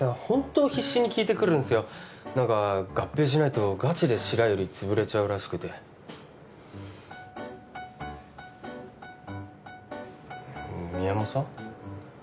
ホント必死に聞いてくるんすよなんか合併しないとガチで白百合つぶれちゃうらしくて宮本さん？